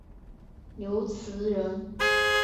刘词人。